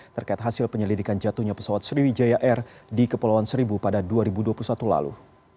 terkait hasil penyelidikan jatuhnya pesawat sriwijaya air di kepulauan seribu pada dua ribu dua puluh satu lalu